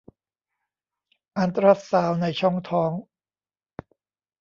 อัลตราซาวด์ในช่องท้อง